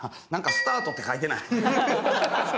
スタートって書いてない？